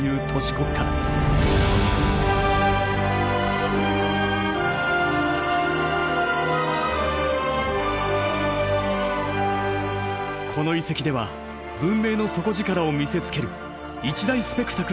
この遺跡では文明の底力を見せつける一大スペクタクルが展開される。